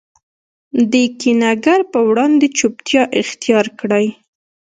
د کینه ګر په وړاندي چوپتیا اختیارکړئ!